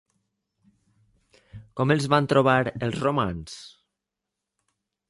Com els van trobar els romans?